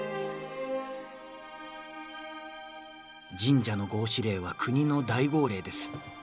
「神社の合祀令は国の大号令です。